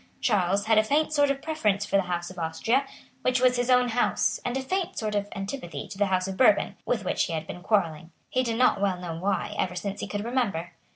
Charles had a faint sort of preference for the House of Austria, which was his own house, and a faint sort of antipathy to the House of Bourbon, with which he had been quarrelling, he did not well know why, ever since he could remember.